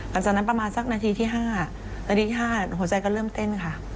หลังจากนั้นประมาณสักนาทีที่๕นาทีที่๕หัวใจก็เริ่มเต้นค่ะ